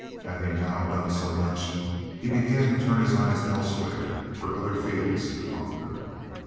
Having now done so much, he began to turn his eyes elsewhere for other fields to conquer.